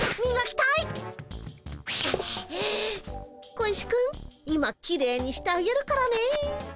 小石くん今きれいにしてあげるからね。